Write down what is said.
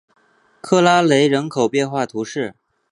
克拉雷人口变化图示